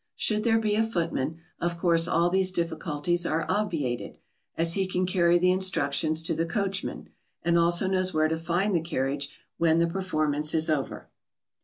Should there be a footman, of course all these difficulties are obviated, as he can carry the instructions to the coachman, and also knows where to find the carriage when the performance is over.